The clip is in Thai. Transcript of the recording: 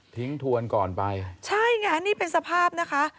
ทวนก่อนไปใช่ไงนี่เป็นสภาพนะคะ